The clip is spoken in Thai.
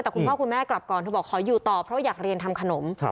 แต่คุณพ่อคุณแม่กลับก่อนเธอบอกขออยู่ต่อเพราะอยากเรียนทำขนม